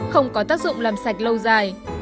không có tác dụng làm sạch lâu dài